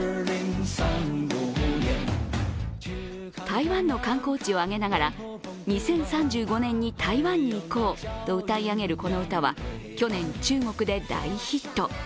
台湾の観光地を挙げながら、２０３５年に台湾に行こうと歌い上げるこの歌は去年、中国で大ヒット。